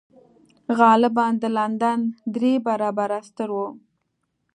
غالباً د لندن درې برابره ستر و.